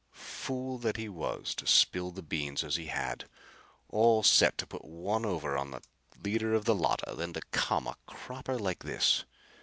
Fool that he was to spill the beans as he had! All set to put one over on the leader of the Llotta, then to come a cropper like this!